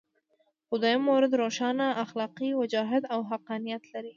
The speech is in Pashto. خو دویم مورد روښانه اخلاقي وجاهت او حقانیت لري.